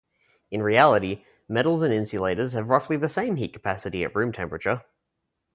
In reality, metals and insulators have roughly the same heat capacity at room temperature.